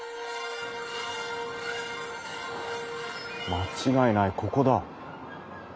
間違いないここだ。